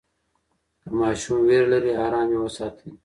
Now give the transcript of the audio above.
که ماشوم ویره لري، آرام یې وساتئ.